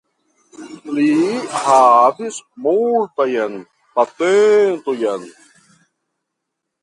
Li havis multajn patentojn.